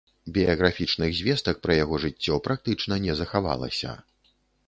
Біяграфічных звестак пра яго жыццё практычна не захавалася.